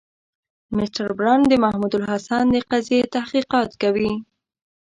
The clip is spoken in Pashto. مسټر برن د محمودالحسن د قضیې تحقیقات کوي.